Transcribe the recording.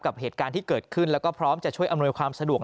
กับเหตุการณ์ที่เกิดขึ้นแล้วก็พร้อมจะช่วยอำนวยความสะดวก